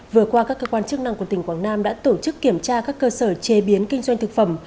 vừa qua các cơ quan chức năng của tỉnh quảng nam đã tổ chức kiểm tra các cơ sở chế biến kinh doanh thực phẩm